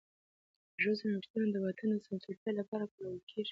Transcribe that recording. د ښځو نوښتونه د وطن د سمسورتیا لپاره کارول کېږي.